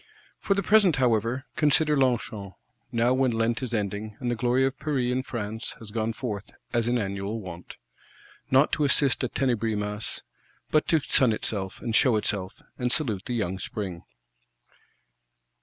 For the present, however, consider Longchamp; now when Lent is ending, and the glory of Paris and France has gone forth, as in annual wont. Not to assist at Tenebris Masses, but to sun itself and show itself, and salute the Young Spring.